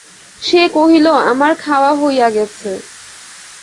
সে কহিল, আমার খাওয়া হইয়া গেছে।